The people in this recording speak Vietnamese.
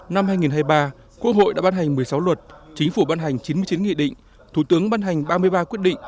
năm hai nghìn hai mươi ba quốc hội đã ban hành một mươi sáu luật chính phủ ban hành chín mươi chín nghị định thủ tướng ban hành ba mươi ba quyết định